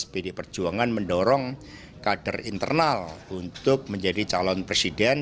pdi perjuangan mendorong kader internal untuk menjadi calon presiden